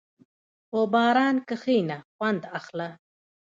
په باران کښېنه، خوند اخله.